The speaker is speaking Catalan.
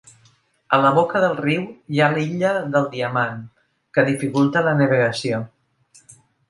A la boca del riu hi ha l'illa del Diamant que dificulta la navegació.